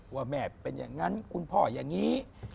ว่าแม่เป็นอย่างนั้นคุณพ่ออย่างนี้